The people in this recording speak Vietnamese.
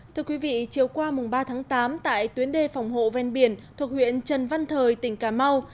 thưa quý vị chiều qua ba tháng tám tại tuyến đê phòng hộ ven biển thuộc huyện trần văn thời tỉnh cà mau